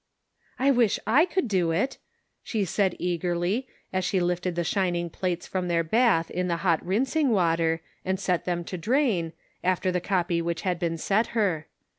" I wish I could do it," she said, eagerty, as she lifted the shining plates from their bath in the hot rinsing water and set them to drain, after the copy which had been set her.